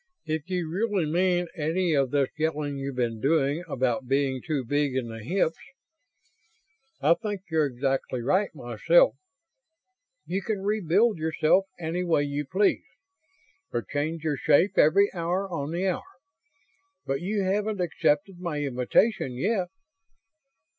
If you really mean any of this yelling you've been doing about being too big in the hips I think you're exactly right, myself you can rebuild yourself any way you please. Or change your shape every hour on the hour. But you haven't accepted my invitation yet."